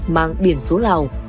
mang biển số lào